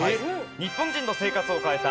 日本人の生活を変えた！